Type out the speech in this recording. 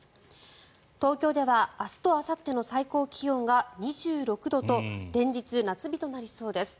東京では明日とあさっての最高気温が２６度と連日、夏日となりそうです。